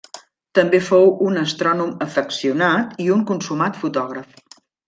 També fou un astrònom afeccionat i un consumat fotògraf.